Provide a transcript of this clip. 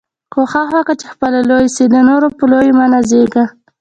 کوښښ وکه، چي خپله لوى سې، د نورو په لويي مه نازېږه!